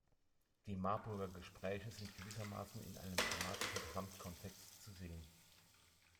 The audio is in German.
Die Marburger Gespräche sind gewissermaßen in einem thematischen Gesamtkontext zusehen.